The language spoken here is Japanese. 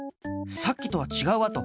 さっきとはちがうあと！